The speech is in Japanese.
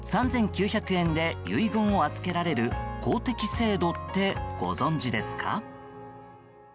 ３９００円で遺言を預けられる公的制度ってご存じですか？